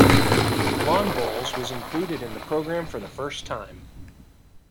Lawn bowls was included in the program for the first time.